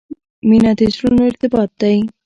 • مینه د زړونو ارتباط دی.